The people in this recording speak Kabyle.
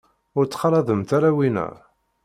Ur ttxalaḍemt ara winna.